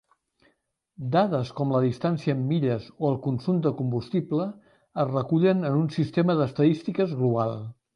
Dades com la distància en milles o el consum de combustible es recullen en un sistema d'estadístiques global.